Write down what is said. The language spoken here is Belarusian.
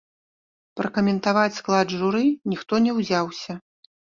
Пракаментаваць склад журы ніхто не ўзяўся.